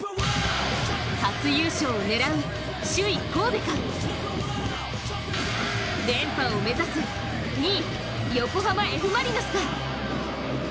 初優勝を狙う首位・神戸か連覇を目指す２位、横浜Ｆ・マリノスか。